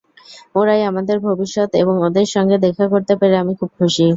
ওরাই আমাদের ভবিষ্যৎ এবং ওদের সঙ্গে দেখা করতে পেরে আমি খুব খুশি।